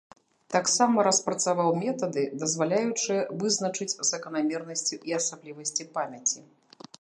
Таксама распрацаваў метады, дазваляючыя вызначыць заканамернасці і асаблівасці памяці.